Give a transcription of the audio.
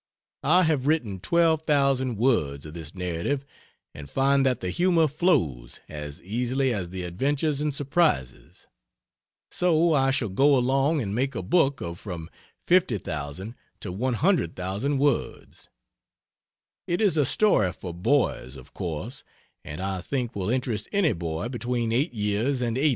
I have written 12,000 words of this narrative, and find that the humor flows as easily as the adventures and surprises so I shall go along and make a book of from 50,000 to 100,000 words. It is a story for boys, of course, and I think will interest any boy between 8 years and 80.